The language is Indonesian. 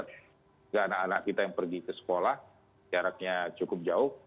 karena anak anak kita yang pergi ke sekolah jaraknya cukup jauh